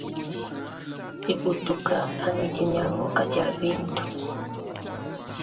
Dibutuka anyi dinyanguka dia bintu.